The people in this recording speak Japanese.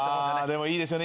でもいいですよね